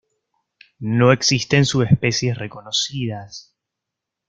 No existe subespecies reconocidas.